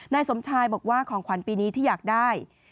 นายสมชายบอกว่าของขวัญปีนี้ที่อยากได้